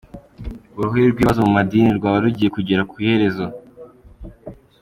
Uruhuri rw’ibibazo Mu madini rwaba rugiye kugera ku iherezo